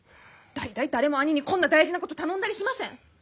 大体誰も兄にこんな大事なこと頼んだりしません！